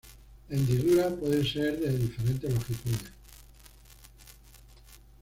La hendidura puede ser de diferentes longitudes.